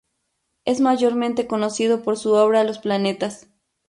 Es mayormente conocido por su obra "Los planetas".